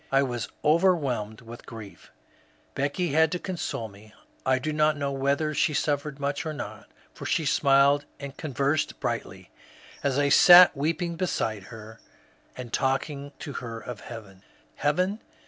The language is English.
I was overwhelmed with grief. Becky had to oonsole me. I do not know whether she suffered much or not, for she smiled and conversed brightly, as I sat weeping beside her, and talking to her of heaven. Heaven